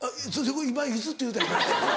今いつって言うたよね？